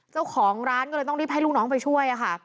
เจ้าของร้านก็เลยต้องรีบให้ลูกน้องไปช่วยค่ะ